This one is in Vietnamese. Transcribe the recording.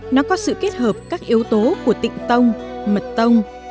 nó có sự kết hợp các yếu tố của tịnh tông mật tông